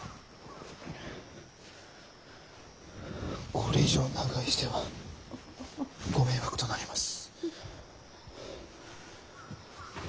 これ以上長居してはご迷惑となります。